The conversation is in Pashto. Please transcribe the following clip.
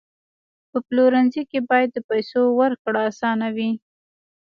په پلورنځي کې باید د پیسو ورکړه اسانه وي.